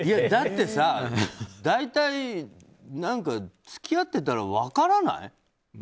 だって大体付き合ってたら分からない？